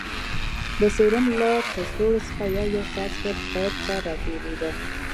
د سيروم له کڅوړې څخه يو يو څاڅکى پيپ ته راتېرېده.